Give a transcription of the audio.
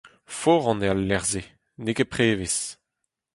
Foran eo al lec’h-se, n’eo ket prevez.